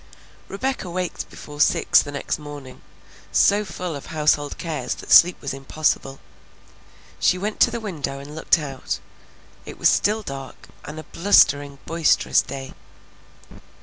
Rebecca waked before six the next morning, so full of household cares that sleep was impossible. She went to the window and looked out; it was still dark, and a blustering, boisterous day.